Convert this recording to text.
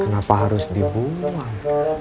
kenapa harus dibuang